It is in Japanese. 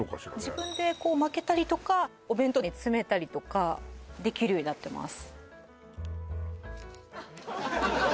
自分で巻けたりとかお弁当に詰めたりとかできるようになってます